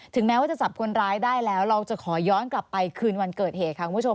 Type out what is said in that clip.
แม้ว่าจะจับคนร้ายได้แล้วเราจะขอย้อนกลับไปคืนวันเกิดเหตุค่ะคุณผู้ชม